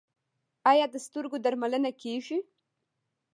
آیا د سترګو درملنه کیږي؟